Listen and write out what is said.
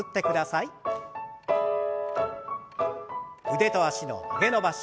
腕と脚の曲げ伸ばし。